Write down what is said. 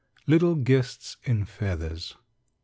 LITTLE GUESTS IN FEATHERS.